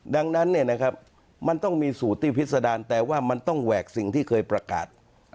ดังนั้นเนี่ยนะครับมันต้องมีสูตรที่พิษดารแต่ว่ามันต้องแหวกสิ่งที่เคยประกาศ